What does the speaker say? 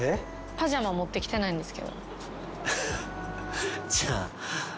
パジャマ持ってきてないです。